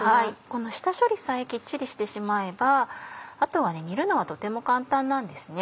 この下処理さえきっちりしてしまえばあとは煮るのはとても簡単なんですね